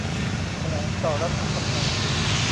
แถลงต่อรัฐสภา